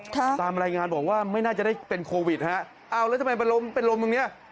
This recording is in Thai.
ตรงนี้เลย